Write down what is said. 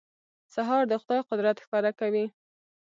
سهار د خدای قدرت ښکاره کوي.